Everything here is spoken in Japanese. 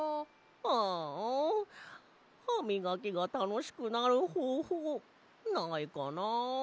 ああハミガキがたのしくなるほうほうないかな。